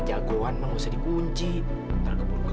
pak pak enggak lah pak